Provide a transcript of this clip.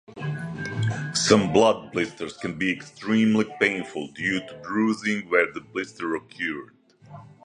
Some blood blisters can be extremely painful due to bruising where the blister occurred.